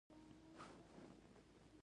پنېر د خوړو یو ارزښتناک توکی دی.